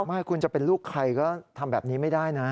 ไม่คุณจะเป็นลูกใครก็ทำแบบนี้ไม่ได้นะ